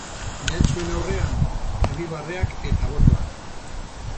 Mehatxuen aurrean, irribarreak eta botoak.